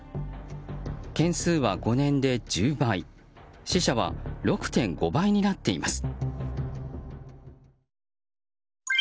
件数は５年で１０倍死者は６．５倍になっています。